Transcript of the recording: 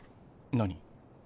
何？